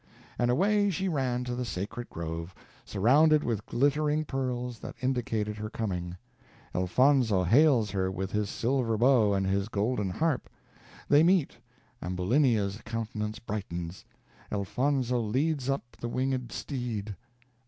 And away she ran to the sacred grove, surrounded with glittering pearls, that indicated her coming. Elfonzo hails her with his silver bow and his golden harp. They meet Ambulinia's countenance brightens Elfonzo leads up the winged steed.